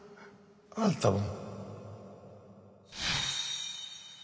あんたも。